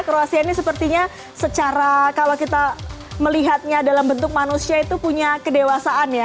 kroasia ini sepertinya secara kalau kita melihatnya dalam bentuk manusia itu punya kedewasaan ya